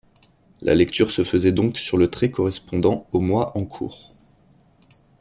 La lecture se faisait donc sur le trait correspondant au mois en cours.